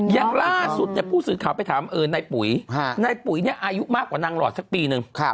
อย่างล่าสุดผู้สืบข่าวอายุมากกว่านางลอดซักปีนึง